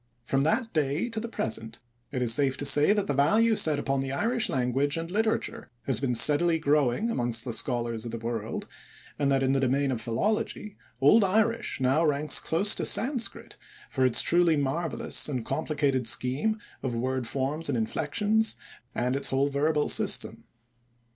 From that day to the present it is safe to say that the value set upon the Irish language and literature has been steadily growing amongst the scholars of the world, and that in the domain of philology Old Irish now ranks close to Sanscrit for its truly marvellous and complicated scheme of word forms and inflections, and its whole verbal system.